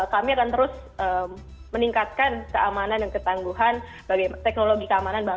kami akan terus meningkatkan keamanan dan ketangguhan teknologi keamanan